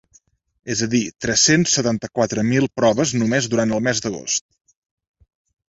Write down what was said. És a dir, tres-cents setanta-quatre mil proves només durant el mes d’agost.